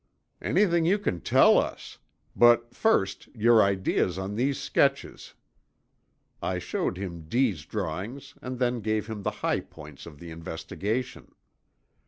"Anything you can tell us. But first, your ideas on these sketches." I showed him D———'s drawings and then gave him the high points of the investigation.